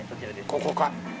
ここか。